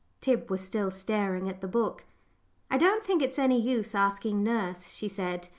Tib was still staring at the book. "I don't think it's any use asking nurse," she said.